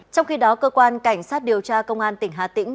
trong khi đó cơ quan cảnh sát điều tra công an tỉnh hà tĩnh